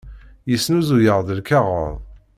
Yesnuzuy-aɣ-d lkaɣeḍ.